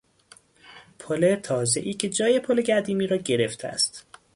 پل تازهای که جای پل قدیمی را گرفته است